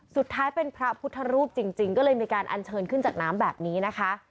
สุดท้ายเป็นพระพุทธรูปจริงก็เลยมีการอัญเชิญขึ้นจากน้ำแบบนี้นะคะ